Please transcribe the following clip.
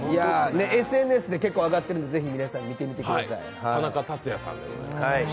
ＳＮＳに結構上がってるので皆さん、見てみてください。